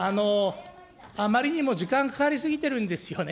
あまりにも時間かかり過ぎてるんですよね。